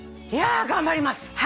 いやあ頑張ります。